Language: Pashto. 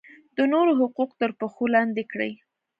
د نورو حقوق تر پښو لاندې کړي.